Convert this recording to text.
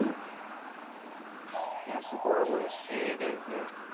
いやすごい美味しいです。